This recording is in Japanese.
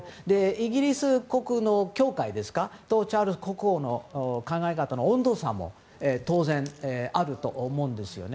イギリス国の教会とチャールズ国王の温度差も当然、あると思うんですよね。